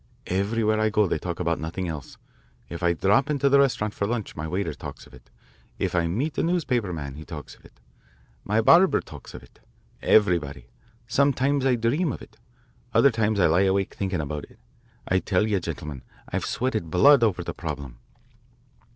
" Everywhere I go they talk about nothing else. If I drop into the restaurant for lunch, my waiter talks of it. If I meet a newspaper man, he talks of it. My barber talks of it everybody. Sometimes I dream of it; other times I lie awake thinking about it. I tell you, gentlemen, I've sweated blood over this problem."